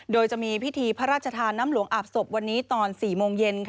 โดยจะมีพิธีพระราชทานน้ำหลวงอาบศพวันนี้ตอน๔โมงเย็น